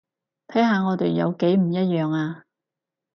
睇下我哋有幾唔一樣呀